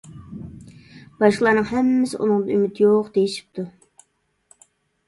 باشقىلارنىڭ ھەممىسى ئۇنىڭدا ئۈمىد يوق دېيىشىپتۇ.